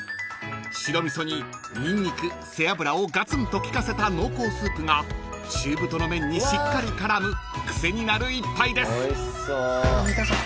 ［白味噌にニンニク背脂をガツンと利かせた濃厚スープが中太の麺にしっかり絡む癖になる１杯です］